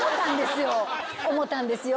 思ったんですよ。